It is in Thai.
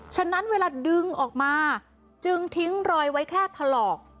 ฉะนั้นเวลาดึงออกมาจึงทิ้งรอยไว้แค่ถลอก